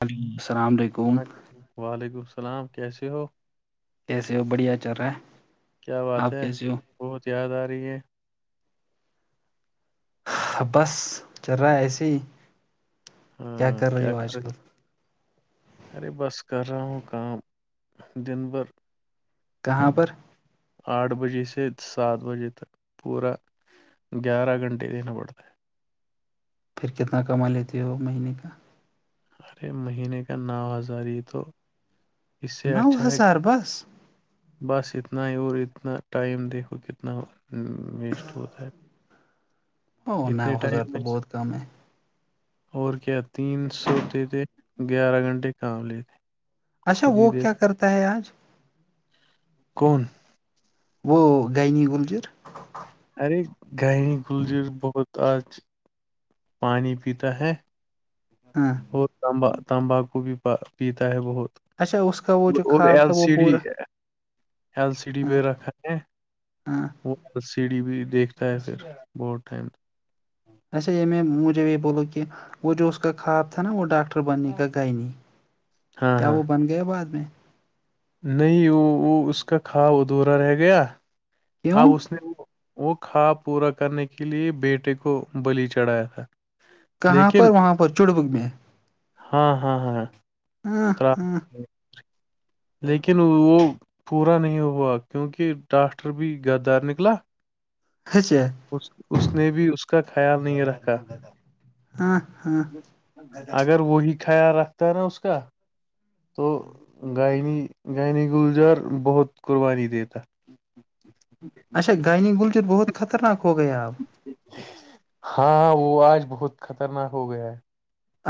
Hello السلام علیکم وعلیکم السلام کیسے ہو جسے وہ بڑھیا چر رہا ہے کیا بات آپ ہے کیسے بہت یاد آ رہی ہے بس چل رہا ہے ایسے ہی ہاں رہی کیا ہو کر آج رہ کل ارے بس کر رہا ہوں کا دن بھر کہاں پر آٹھ بجے سے سات بجے تک پورا گیارہ گھنٹے دین پڑتا ہے پھر کتنا کما لیتی ہو وہ مہینے کا ارے مہینے کا نو ہزار یہ تو اس سے نو اچھا ہے کہ ہزار بس بس اتنا ہی اور اتنا ٹائم دیکو کتنا ویسٹ ہوتا ہے نو اتنے ٹائم ہزار تو میں بہت کم ہے اور کیا تین سوتے تھے گیارہ گھنٹے کام لیتےے اچھا وہ کیا کرتا ہے آج کون وہ یننی گلجر ارے گاہنی گلجر بہت آج پانی پیتا ہے ہاں اور تانبا تمباکو بھی پیتا ہے بہت اچھا اس کا وہ جو اور خواب ایل تھا وہ سی ڈی پورا ایل سی ڈی ہاں بھیہ رکھا ہے ہاں وہ ایل سی ڈی بھی دیکھ پھر بہت ٹھنم ایسے یہ میں مجھے یہ بولوں کہ وہ جو اس کا خواب تھا نا وہ ڈاکٹر بننے کا گئے نہیں ہاں کیا ہاں وہ بن گیا بعد میں نہیں وہ وہ اس کا کھوا ادھورا رہ گیا کیوں اب اس نے وہ وہ کوااب پورا کرنے کے لیے بیٹے کو بلی چڑھایا تھا کہاں لیکن پر وہاں پر چڑبک میں ہاں ہاں ہاں ہاں ہاں [inaudible] لیکن وہ پورا نہیں ہوا کیونکہ ڈاکٹر بھی غدار نکلا خچے اس نے بھی اس کا خیال نہیں رکھا ہاں ہاں اگر وہی خیال رکھتا ہے نا اس کا تو گنی گائنی گلجار بہت قربانی دیتا اچھا گائنی گلجر بہت خطرناک ہو گئے آپ ہاں وہ آج بہت خطرناک ہو گیا ہے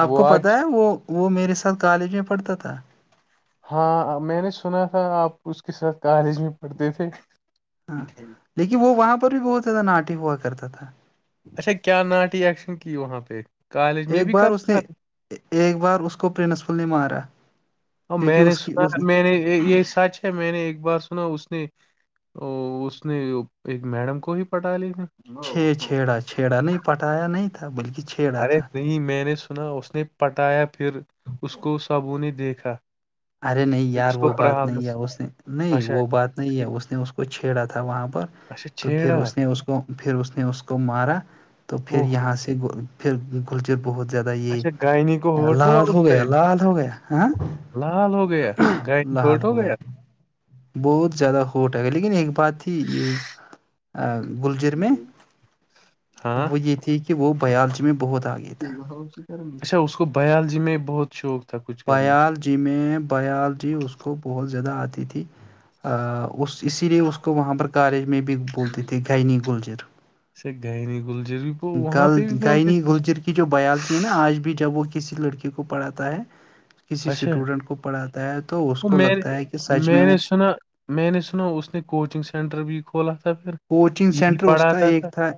آپ کو وہ پتہ آج ہے وہ وہ میرے ساتھ کالج میں پڑھتا تھا ہاں میں نے سنا تھا آپ اس کے ساتھ کالج میں پڑھتے تھے ہاں لیکن وہ وہاں پر بھی بہت زیادہ ناٹے ہوا کرتا تھا اچھا کیا ناٹی ایکشن کی وہاں پہ کالج میں ایک بھی بار کر اس نے ایک بار اس کو پرنسپل نے مارا کیونکہ میں نے اس کی سنا اس میں نے یہ سچ اچھا میں نے ایک بار سنا اس نے ا اس نے ایک میڈم کو ہی پٹا لی چھے تھی۔ چھیڑا چھیڑا نہیں پٹایا نہیں تھا بلکہ چھ ارے نہیں میں نے سنا اس نے پٹایا پھر اس کو سبوں نے دیکھا ارے نہیں پھر یار اس کو وہ بات پرہان نہیں ہے اس نے نہیں اچھا وہ بات نہیں ہے پھر- اس نے اس کو چھیڑا تھا وہاں پر اچھا تو پھر چھیڑا اس نے اس کو پھر اس نے اس کو مارا تو او پھر ہو یہاں سے پھر کلچر بہت زیادہ یہ اچھا گائنی کو ہرٹ ہوا لال اس ہو گیا ٹائم لال ہو گیا ہاں لال ہو گیا گائنی لاحال ہرٹ ہو گیا بہت زیادہ ہوٹ ہے گ لیکن ایک بات تھی یہ گلجیر میں ہاں وہ یہ تھی کہ وہ بایالوجی میں بہت آ گئی اچھا اس کو بیالوجی میں بہت شوق تھا کچھ کرنے کا بایالوجی میں بایالوجی اس کو بہت زیادہ آتی تھی اس اسی لیے اس کو وہاں پر کالج میں بھی بولتے تھے گنی گلجر اس گائنی گلجر بھی وہ گ وہاں پہ بھی بولتے گائنی تھے اس کو گلجر کی جو بایولوجی ہے نا آج بھی جب وہ کسی لڑکی کو پڑھاتا ہے کسی اچھا اسٹوڈنٹ کو پڑھاتا ہے تو اس وہ کو میں لگتا ہے کہ سچ میں وہ نے سنا میں نے سنا اس نے کوچنگ سینٹر بھی کھولا تھا پھر کوچنگ یہی سینٹر اس کا پڑھاتا ایک تھا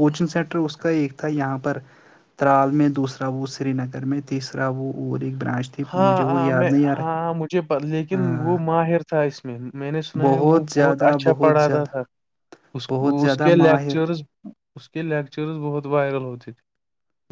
کوچنگ سینٹر اس کا ایک تھا یہاں پر ترال میں دوسرا وہ سری نگر میں تیسرا وہ اور ایک برانچ تھی ہاں مجھے وہ ہاں یاد میں نہیں آ رہا ہاں مجھے لیکن وہ ہاں ماہر تھا اس میں میں نے سنا ہے وہ بہت زیادہ اچھا بہت پڑھاتا زیادہ تھا اس بہت اس زیادہ کے ماہر لیکچرز اس کے لیکچرز بہت وائرل ہوتے تھے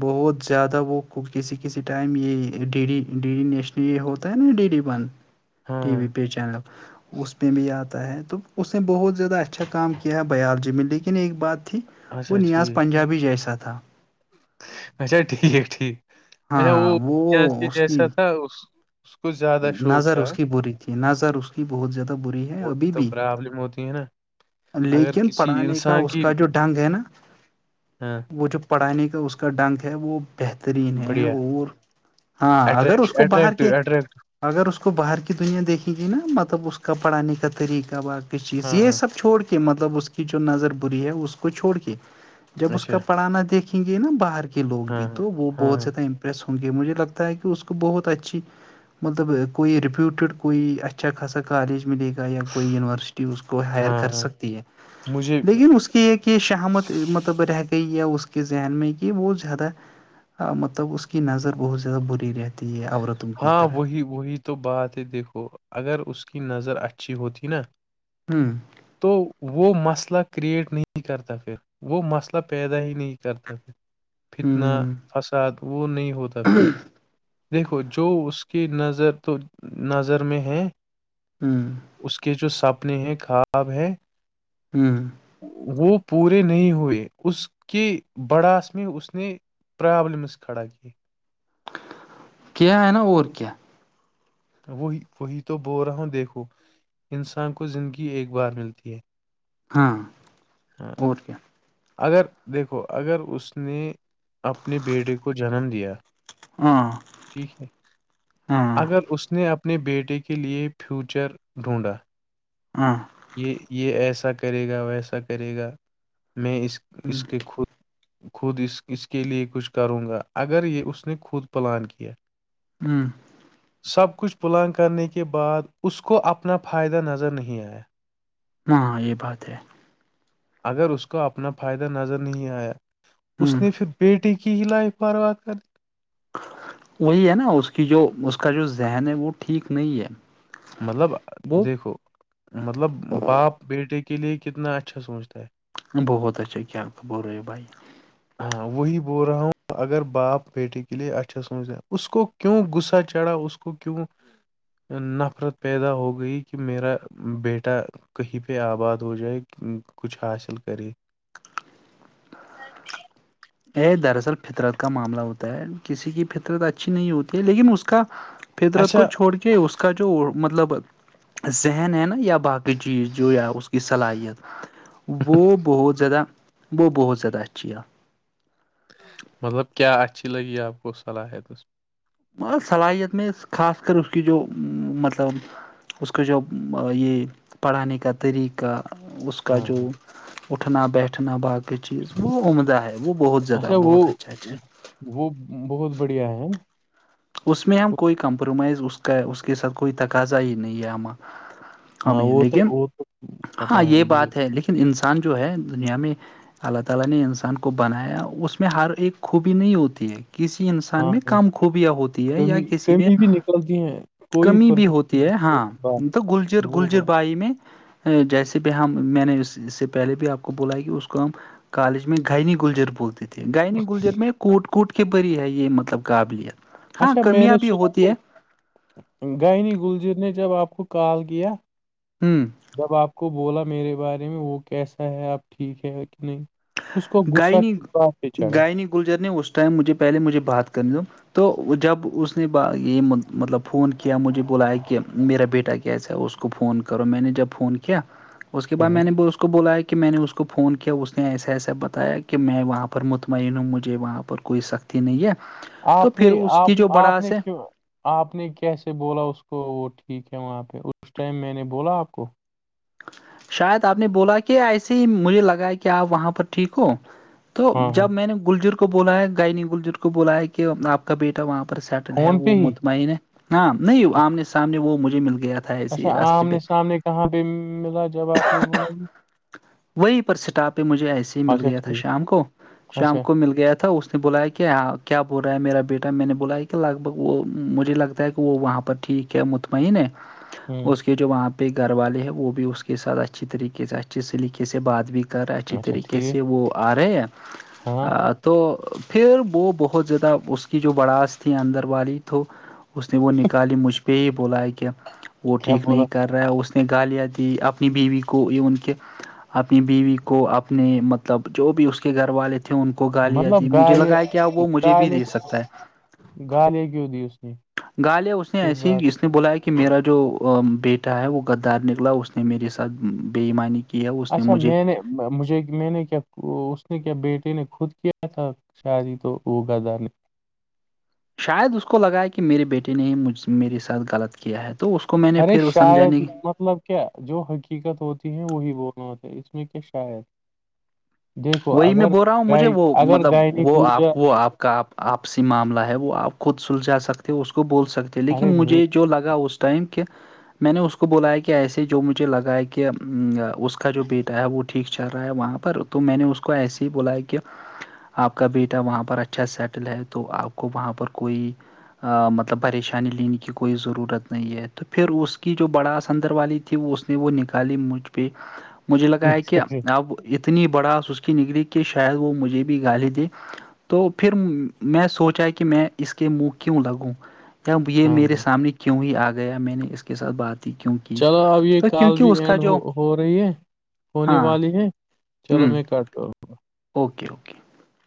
بہت زیادہ وہ کسی کسی ٹائم یہ ڈی ڈیری نیشن ہو ہے نا ڈی ڈی ون تھے ٹی ہاں وی پہ چینل اس میں بھی آتا ہے تو اس نے بہت زیادہ اچھا کام کیا ہے بالوجی میں لیکن ایک بات تھی وہ اچھا نیاز ٹھیک پنجابی جیسا تھا اچھا ٹھیک ٹھیک اچا وہ ہاں جیسا اس کی تھا تھا اس کو زیادہ شوق نظر تھا اس کی بری تھی نظر اس کی بہت زیادہ بری ہے ہوتی ابھی تو بھی پرابلم ہوتی ک ن نہ لیکن پڑھانے کا اس کا جو ڈھنگ ہے نا ہاں وہ جو پڑھانے کا اس کا ڈنگ ہے وہ بہترین ہے بڑھیا اور ہاں اگر اٹریکٹ اس کو باہر اٹریکٹو کے اٹریکٹو اگر اس کو باہر کی دنیا دیکھیں گی نا مطلب اس کا پڑھانے کا طریقہ باق چیز ہاں یہ ہاں سب چھوڑ کے مطلب اس کی جو نظر بری ہے اس کو چھوڑ کے جب اس اچھا کا پڑھانا دیکھیں گے نا باہر کے لوگ بھی ہاں ہاں تو وہ بہت ہاں زیادہ پریس ہوں گے مجھے لگتا ہے کہ اس کو بہت اچھی مطلب کوئی رپوٹڈ کوئی اچھا کاسا کالج ملے گا یا کوئی یونیورسٹی اس کو ہائر ہاں کر ہاں سکتی ہے مجھے لیکن اس کے کی ایک یہ شہمت مطلب رہ گئی ہے اس کے ذہن میں کہ وہ زیادہ مطلب اس کی نظر بہت زیادہ بری رہتی ہے عورت ہاں وہی وہی تو بات ہے دیکھو اگر اس کی نظر اچھی ہوتی نا ہوں تو وہ مسئلہ کریئٹ نہیں کرتا پھر وہ مسئلہ پیدا ہی نہیں کرتا پھر فتنا ہ فساد وہ نہیں ہوتا پھر دیکھو جو اس کی نظر تو نظر میں ہے ہاں اس کے جو سپنے ہیں خواب ہے ہوں وہ پورے نہیں ہوئے اس کے بڑاس میں اس نے پررابلمس کھا ک کی کہ آئے نا اور کیا وہی وہی تو بول رہا ہوں دیکھو انسان کو زندگی ایک بار ملتی ہے ہاں ہاں اور کیا اگر دیکھو اگر اس نے اپنے بیٹے کو جنم دیا ہاں ٹھیک ہے ہاں اگر اس نے اپنے بیٹے کے لیے فیوچر ڈھونڈا ہاں یہ یہ ایسا کرے گا ویسا کرے گا میں اس اس کے خود خود اس اس کے لیے کچھ کروں گا اگر یہ اس نے خود پلان کیا ہاں سب کچھ پلانگ کرنے کے بعد اس کو اپنا فائدہ نظر نہیں آیا ہاںاں یہ بات ہے اگر اس کو اپنا فائدہ نظر نہیں آیا ہ اس نے پھر پیٹٹی کی لائف پرو بات کر وہی ہے نا اس کی جو اس کا جو ذہن ہے وہ ٹھیک نہیں ہے مطلب وہ دیکھو مطلب باپ بیٹے کے لیے کتنا اچھا سوچتا ہے بہتچا اک تو بور رہوے بھائی ہاں وہی بول رہا ہوں اگر باپ بیٹے کے لیے اچھا سمچ جائے اس کو کیوں غصہ چڑھا اس کو کیوں نفرت پیدا ہو گئی کہ میرا بیٹا کہیں پہ آباد ہو جائے کچھ حاصل کرے اے یہ دراصل فطرت کا معاملہ ہوتا ہے کسی کی فطرت اچھی نہیں ہوتی ہے لیکن اس کا فطرت کو اچھا چھوڑ کے اس کا جو مطلب ذہن ہے نا یا باقی چیز جو یا اس کی صلاحیت وہ بہت زیادہ وہ بہت زیادہ اچھی ہے مطلب کیا اچھی لگی آپ کو صلاحیتس میں صلاحیت میں خاص کر اس کی جو مطلب اس کو جو یہ پڑھانے کا طریقہ اس کا ہاں جو ہاں اٹھنا بیٹھنا باقی چیز وہ عمدہ ہے وہ بہت زیادہ اچھا بہت وہ اچھا اچھا وہ بہت بڑھیا ہے اس میں ہم کوئی کمپرومائز اس کا اس کے ساتھ کوئی تقاضا ہی نہیں ہے ہمار ہاں ہمیں وہ تو لیکن وہ تو پتا ہاں یہ مجھے بات ہے لیکن انسان جو ہے دنیا میں اللہ تعالی نے انسان کو بنایا اس میں ہر ایک خوبی نہیں ہوتی ہے کسی انسان ہاں میں ہاں کام ک خوبیاں ہوتی ہے یا کمی کسی میں کمی بھی نکلتی ہیں کوئی کمی بھی پرفیکٹ ہوتی ہے نہیں وہ ہاں بات تو گلجر وہ گلجر بات بائی میں جیسے بھی ہم میں نے اس اس سے پہلے بھی آپ کو بولا ہے کہ اس کام کالج میں گھنی گلجر بولتی تھھی گائنی گلجر میں کوٹ کوٹ کے بری ہے یہ مطلب قابلیت ہاں اچھا میں کمیاں نے بھی سنا ہوتی کہ ہے گائنی گلجیت نے جب آپ کو کال کیا ہوں جب آپ کو بولا میرے بارے میں وہ کیسا ہے آپ ٹھیک ہے کہ نہیں اس کو غصہ پ چڑھا گ جرنی اس ٹائم مجھے پہل مجھے بات کرنی دو تو جب اس اس نے یہ مطلب فون کیا مجھے بلایا کہ میرا بیٹا کیسا ہے اس کو فون کرو میں نے جب فون کیا کیا اس کے بعد ہوں میں نے اس کو بولایا کہ میں نے اس کو فون کیا اس نے ایسا ایسا بتا تا کہ میں وہاں پر مطمئن ہوں مجھے وہاں پر کوئی سخت نہیں ہے تو آپ نے پھر اس کی جو آپ آپ بڑاس نے ہے کیوں آپ نے کیسے بولا اس کو وہ ٹھیک ہے وہاں پہ اس ٹائم میں نے بولا آپ کو شاید آپ نے بولا کہ ایسے ہی مجھے لگا ہے کہ آپ وہاں پر ٹھیک ہو تو ہاں ہاں جب میں نے گلجر کو بولا ہے گائنی گلجر کو بولا ہے کہ آپ کا بیٹا وہاں پر سیٹل ہے فون پہ وہ ہی مطمئن ہے ہاں نہیں آمنے سامنے وہ مجھے مل گیا تھا ایسے اچھا راستے پہ آمنے سامنے کہاں پہ ملا جب آپ نے بولا وہی پر سٹاپ مجھے ایسے ہی مل اچھا گیا تھا ٹھیک شام کو شام اچھا کو مل گیا تھا اس نے بلایا کہ کیا کیا بول رہا ہے میرا بیٹا میں نے بولا ہے کہ لگ بھ وہ مجھے لگتا ہے کہ وہاں پر ٹھیک کیا مطمئن ہے ہوں اس کے جو وہاں پہ گھر والے ہیں وہ بھی اس کے ساتھ اچھی طریقے سے اچھے سے طقے سے بات بھی کر رہا اچھی اچھا طریقے ٹھیک سے وہ آ رہے ہیں ہاں تو پھر وہ بہت زیادہ اس کی جو بڑاشت تھی اندر والی تو اس نے وہ نکالی مجھ پہ ہی بولایا کہ وہ کیا ٹھیک بولا نہیں کر رہا اس نے گالیاں دی اپنی بیوی کو یہ ان کے اپنی بیوی کو اپنے مطلب جو بھی اس کے گھر والے تھے ان کو گالیاں دی مطلب مجھے گالے لگا ہے کیا وہ مجھے بھی گالے دے سکتا ہے گالیاں کیوں دی اس نے گالیا اس نے ایسی جس نے بلایا کہ کہ میرا جو بیٹا ہے وہ غدار نکلا اس نے میرے ساتھ بےئیمانی اچھا میں نے مجھے میں نے کیا اس نے کیا بیٹے نے خود کیا تھا شاہ ہی تو ہو گد نہیں شاید اس کو لگا ہے کہ میرے بیٹے نے ہی مجھ میرے ساتھ غلط کیا ہے تو اس کو میں نے ارے پھر وہ شاید سمجھانے کی مطلب کیا جو حقیقت ہوتی ہے وہی بولنا ہوتا ہے اس میں کیا شاید دیکھو وہی میں اگر بول رہا ہوں مجھے گائے وہ اگر مطلب گائنی وہ آپ گلجا وہ آپ کا آپ آپسی معاملہ ہے وہ آپ خود سلجھا سکتے ہو اس کو بول سکتے ہو ارے لیکن میں مجھے جوو لگا اس ائم کہہ [unintelligible] میں نے اس کو بلایا کہ ایسے جو مجھے لگا ہے کہ اس کا جو بیٹا ہے وہ ٹھیک چل رہا ہے وہاں پر تو میں نے اس کو ایسے ہی بولایا کہ آپ کا بیٹا وہاں پر اچھا سیٹل ہے تو آپ کو وہاں پر کوئی مطلب پریشانی لینے کی کوئی ضرورت نہیں ہے تو پھر اس کی جو بڑاث اندر والی وہ اس نے وہ نکالی مجھ پہ مجھے لگایا کہ اب اتنی بڑاس اس کی نگری کہ شاید وہ مجھے بھی گالی دے تو پھر میں سوچا کہ میں اس کے منہ کیوں لگوں جب یہ ہاں میرے ہاں سامنے کیوں ہی آ گیا میں نے اس کے ساتھ بات کی کیوں کی چلو اب یہ تو کال کیونکہ بھی اس کا اینڈ جو ہو رہی ہے ہونے ہاں والی ہیں ہ چلو میں کرتا ہوں اوکے اوکے